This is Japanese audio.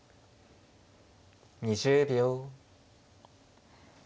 ２０秒。